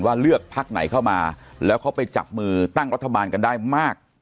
ว่าเลือกพักไหนเข้ามาแล้วเขาไปจับมือตั้งรัฐบาลกันได้มาก